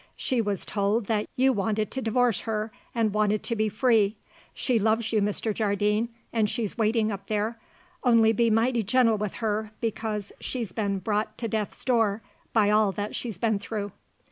She was told that you wanted to divorce her and wanted to be free. She loves you, Mr. Jardine, and she's waiting up there; only be mighty gentle with her, because she's been brought to death's door by all that she's been through."